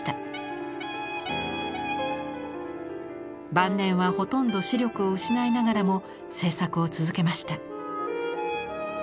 晩年はほとんど視力を失いながらも制作を続けました。